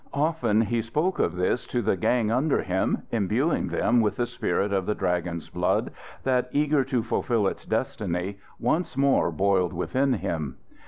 Often he spoke of this to the gang under him, imbuing them with the spirit of the Dragon's blood that, eager to fulfil its destiny, once more boiled within him.